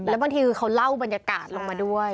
แล้วบางทีคือเขาเล่าบรรยากาศลงมาด้วย